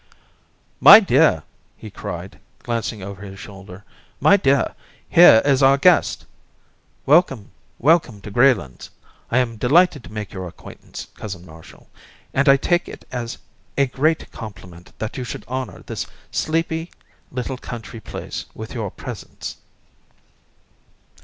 "My dear!" he cried, glancing over his shoulder; "my dear, here is our guest! Welcome, welcome to Greylands! I am delighted to make your acquaintance, Cousin Marshall, and I take it as a great compliment that you should honour this sleepy little country place with your presence."